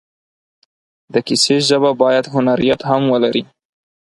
د کیسې ژبه باید هنریت هم ولري.